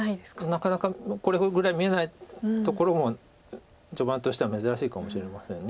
なかなかこれぐらい見えないところも序盤としては珍しいかもしれません。